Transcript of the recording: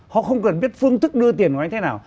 họ không cần biết phương thức đưa tiền của anh thế nào